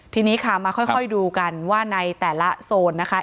ทีนี้ค่ะมาค่อยดูกันว่าในแต่ละโซนนะคะ